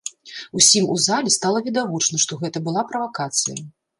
Усім у залі стала відавочна, што гэта была правакацыя.